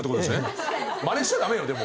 マネしちゃダメよでも。